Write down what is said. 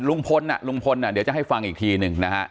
ลุงพลลุงพลเดี๋ยวจะให้ฟังอีกทีหนึ่งนะฮะ